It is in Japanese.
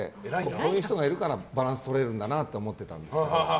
こういう人がいるからバランスがとれるんだと思っていたんですけど。